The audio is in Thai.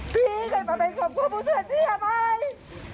ผีก็จะมาเป็นครอบครัวผู้เสียเสี้ยไป